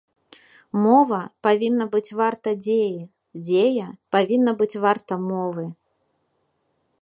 Мова павінна быць варта дзеі, дзея павінна быць варта мовы.